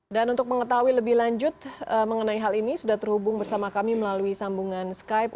dan untuk mengetahui lebih lanjut mengenai hal ini sudah terhubung bersama kami melalui sambungan skype